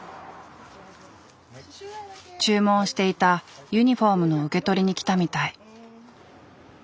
注文していたユニフォームの受け取りに来たみたい。